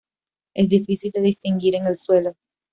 Es difícil de distinguir en el suelo.